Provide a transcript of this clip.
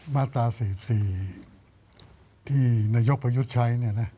มาตรา๔๔ที่นายกประยุทธ์ใช้